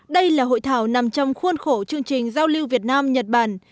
đây là hội thảo nằm trong khuôn khổ chương trình giao lưu việt nam nhật bản